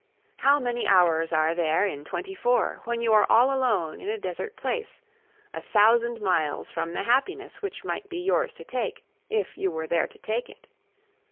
How many hours are there in twenty four when you are all alone in a desert place, a thousand miles from the happiness which might be yours to take if you were there to take it?